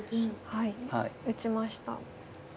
はい打ちました。